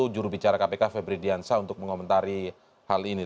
juru bicara kpk febri diansah untuk mengomentari hal ini